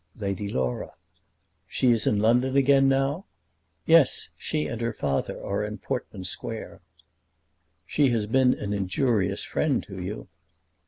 "Lady Laura." "She is in London again now?" "Yes; she and her father are in Portman Square." "She has been an injurious friend to you."